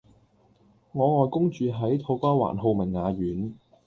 我外公住喺土瓜灣浩明雅苑